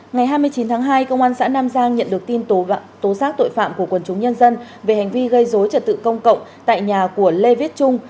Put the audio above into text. ngày hai mươi chín tháng hai công an xã nam giang nhận được tin tố giác tội phạm của quần chúng nhân dân về hành vi gây dối trật tự công cộng tại nhà của lê viết trung